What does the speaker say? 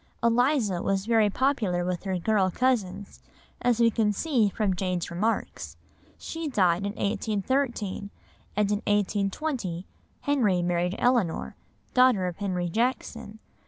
Eliza was very popular with her girl cousins, as we can see from Jane's remarks; she died in 1813, and in 1820 Henry married Eleanor, daughter of Henry Jackson.